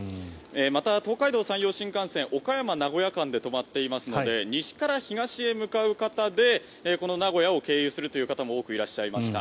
また、東海道・山陽新幹線岡山名古屋間で止まっていますので西から東へ向かう方でこの名古屋を経由する方も多くいらっしゃいました。